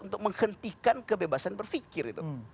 untuk menghentikan kebebasan berfikir